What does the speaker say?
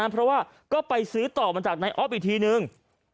เพราะว่าก็ไปซื้อต่อมาจากนายอ๊อฟอีกทีนึง